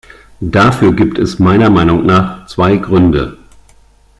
Dafür gibt es meiner Meinung nach zwei Gründe.